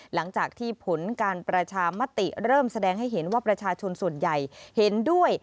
หลังจากที่ผลการประชามติเริ่มแสดงให้เห็นว่าประชาชนส่วนใหญ่เห็นด้วย